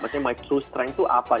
maksudnya my true strength itu apa